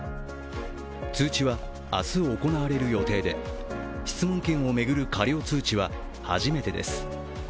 通知は明日行われる予定で質問権を巡る過料通知は初めてです。